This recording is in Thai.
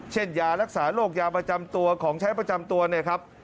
ยารักษาโรคยาประจำตัวของใช้ประจำตัวเนี่ยครับ